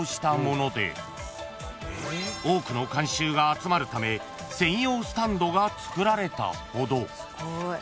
［多くの観衆が集まるため専用スタンドがつくられたほど］